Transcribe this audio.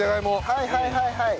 はいはいはいはい！